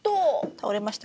倒れました。